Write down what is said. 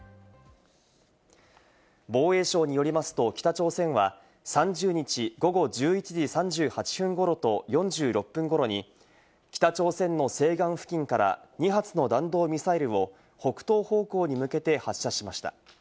防衛省によりますと北朝鮮は３０日午後１１時３８分頃と４６分ごろに北朝鮮の西岸付近から２発の弾道ミサイルを北東方向に向けて発射しました。